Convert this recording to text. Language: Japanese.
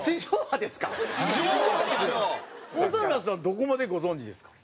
どこまでご存じですか？